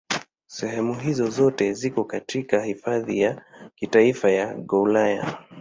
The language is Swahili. Sehemu hizo zote ziko katika Hifadhi ya Kitaifa ya Gouraya.